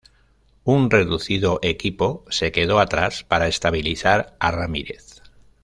Un reducido equipo se quedó atrás para estabilizar a Ramirez.